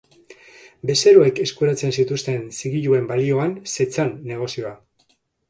Bezeroek eskuratzen zituzten zigiluen balioan zetzan negozioa.